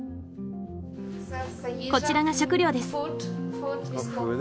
こちらが食料です。